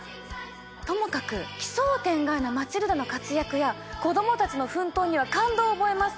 ともかく奇想天外なマチルダの活躍や子供たちの奮闘には感動を覚えます。